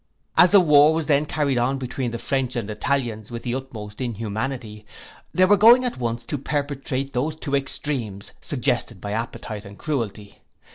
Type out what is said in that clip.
'As the war was then carried on between the French and Italians with the utmost inhumanity, they were going at once to perpetrate those two extremes, suggested by appetite and cruelty.